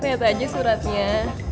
lihat aja suratnya